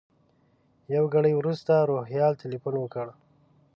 یو ګړی وروسته روهیال تیلفون وکړ.